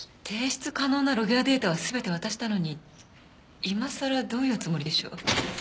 提出可能なログやデータは全て渡したのに今さらどういうつもりでしょう？